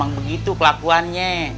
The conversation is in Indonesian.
ulidzi dan mali khususnya